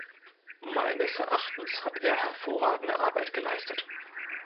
Meines Erachtens hat er hervorragende Arbeit geleistet.